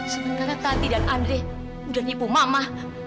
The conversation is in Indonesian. sementara tati dan andre udah nipu mama